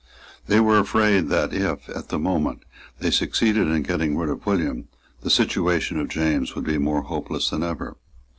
They were afraid that if, at that moment, they succeeded in getting rid of William, the situation of James would be more hopeless than ever.